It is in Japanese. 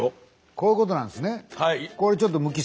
こういうことなんすね。